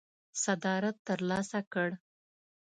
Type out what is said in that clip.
صدارت ترلاسه کړ.